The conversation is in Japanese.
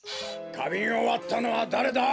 かびんをわったのはだれだ？